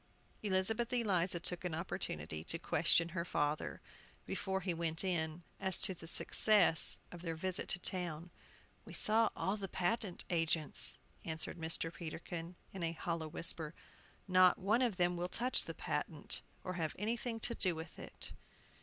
Elizabeth Eliza took an opportunity to question her father, before he went in, as to the success of their visit to town. "We saw all the patent agents," answered Mr. Peterkin, in a hollow whisper. "Not one of them will touch the patent, or have anything to do with it."